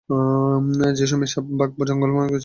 সে সময়ে সাপ, বাঘ ও জঙ্গলময় ছিলো এই এলাকা।